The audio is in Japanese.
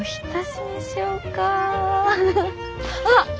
あっ！